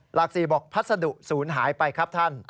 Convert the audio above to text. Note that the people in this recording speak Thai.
หลัก๔บอกพัสดุศูนย์หายไปครับท่าน